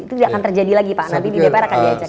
itu tidak akan terjadi lagi pak nanti di dpr akan diajak